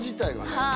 はい。